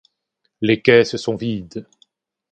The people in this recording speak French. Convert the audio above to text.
Les caisses sont vides.